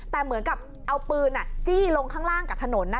แต่เหมือนกับเอาปืนจี้ลงข้างล่างกับถนน